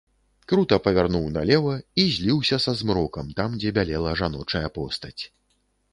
Крута павярнуў налева і зліўся са змрокам там, дзе бялела жаночая постаць.